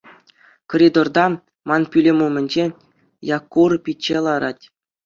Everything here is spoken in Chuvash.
Коридорта, ман пӳлӗм умӗнче, Якур пичче ларать.